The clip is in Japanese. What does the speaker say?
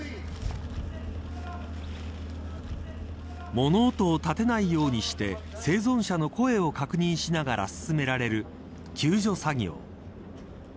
物音を立てないようにして生存者の声を確認しながら進められる救助作業。